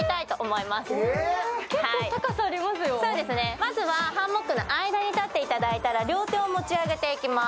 まずはハンモックの間に立っていただいたら両手を持ち上げていきます。